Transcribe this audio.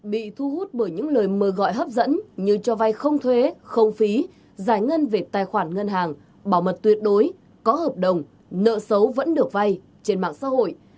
bị thu hút bởi những lời mời gọi hấp dẫn như cho vay không thuế không phí giải ngân về tài khoản ngân hàng bảo mật tuyệt đối có hợp đồng nợ xấu vẫn được vay trên mạng xã hội